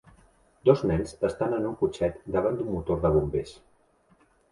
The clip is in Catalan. Dos nens estan en un cotxet davant d'un motor de bombers